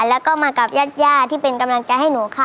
แล้วก็มากับญาติย่าที่เป็นกำลังใจให้หนูค่ะ